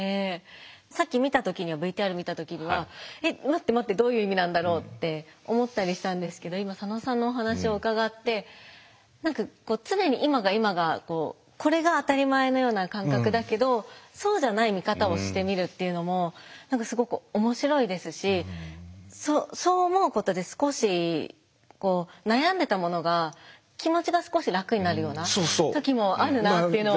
さっき見た時にはＶＴＲ見た時には「待って待ってどういう意味なんだろう」って思ったりしたんですけど今佐野さんのお話を伺って何か常に今が今がこうこれが当たり前のような感覚だけどそうじゃない見方をしてみるっていうのも何かすごく面白いですしそう思うことで少し悩んでたものが気持ちが少し楽になるような時もあるなっていうのを。